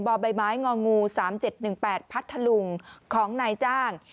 ใบไม้งองู๓๗๑๘พัทธลุงของนายจ้าง